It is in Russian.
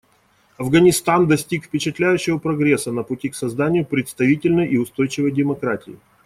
Афганистан достиг впечатляющего прогресса на пути к созданию представительной и устойчивой демократии.